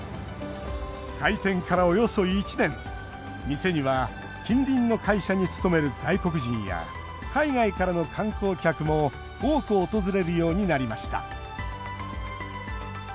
店には近隣の会社に勤める外国人や海外からの観光客も多く訪れるようになりました。